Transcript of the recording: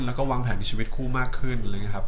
แล้วก็วางแผนในชีวิตคู่มากขึ้นนะครับ